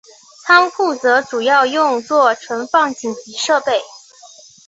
仓库则主要用作存放紧急设备。